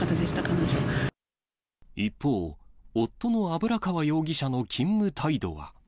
一方、夫の油川容疑者の勤務態度は。